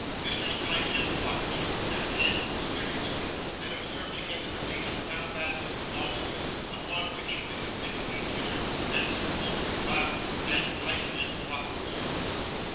Messrs Pyke and Pluck shook their heads mysteriously, and observed together that they had found that out long ago; upon which Mrs. Nickleby tittered, and Sir Mulberry laughed, and Pyke and Pluck roared.